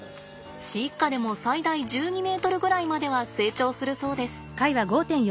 飼育下でも最大１２ｍぐらいまでは成長するそうです。